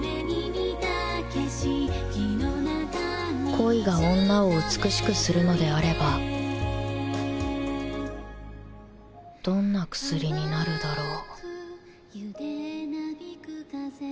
恋が女を美しくするのであればどんな薬になるだろう。